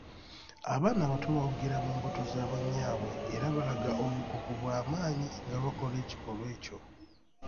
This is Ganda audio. Abaana abato bawugira mu mbuto za bannyaabwe era balaga obukugu bwamaanyi nga bakola ekikolwa ekyo.